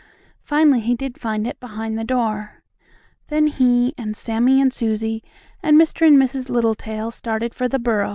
Finally he did find it behind the door. Then he, and Sammie and Susie, and Mr. and Mrs. Littletail started for the burrow.